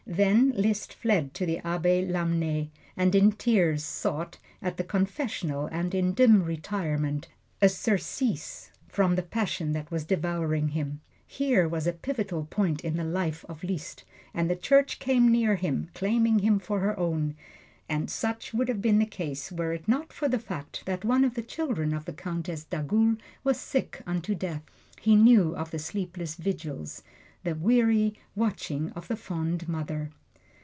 Then Liszt fled to the Abbe Lamennais, and in tears sought, at the confessional and in dim retirement, a surcease from the passion that was devouring him. Here was a pivotal point in the life of Liszt, and the Church came near then, claiming him for her own. And such would have been the case, were it not for the fact that one of the children of the Countess d'Agoult was sick unto death. He knew of the sleepless vigils the weary watching of the fond mother.